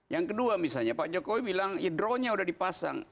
yang kedua misalnya pak jokowi bilang ya drone nya udah dipasang